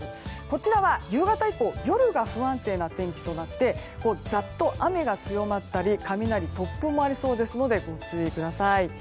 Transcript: こちらは夕方以降、夜が不安定な天気となってざっと雨が強まったり雷、突風もありそうなのでご注意ください。